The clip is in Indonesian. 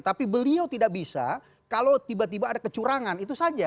tapi beliau tidak bisa kalau tiba tiba ada kecurangan itu saja